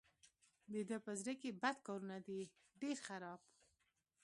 د ده په زړه کې بد کارونه دي ډېر خراب.